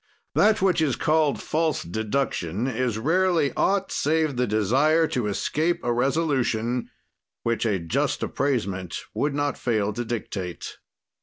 That which is called false deduction is rarely aught save the desire to escape a resolution which a just appraisement would not fail to dictate.